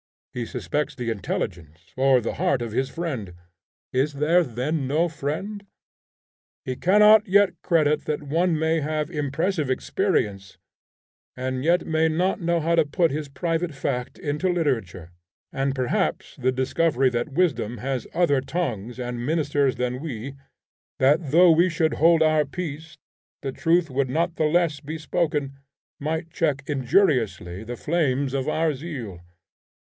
He suspects the intelligence or the heart of his friend. Is there then no friend? He cannot yet credit that one may have impressive experience and yet may not know how to put his private fact into literature; and perhaps the discovery that wisdom has other tongues and ministers than we, that though we should hold our peace the truth would not the less be spoken, might check injuriously the flames of our zeal.